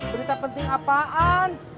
berita penting apaan